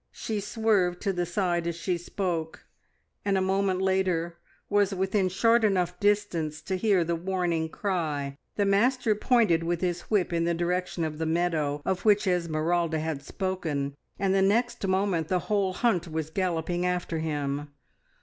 She swerved to the side as she spoke, and a moment later was within short enough distance to hear the warning cry. The Master pointed with his whip in the direction of the meadow, of which Esmeralda had spoken, and the next moment the whole hunt was galloping after him.